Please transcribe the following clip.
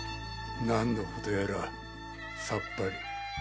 何の事やら、さっぱり。